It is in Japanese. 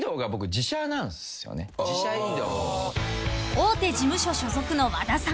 ［大手事務所所属の和田さん］